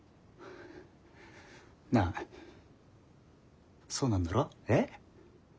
なあそうなんだろ？え？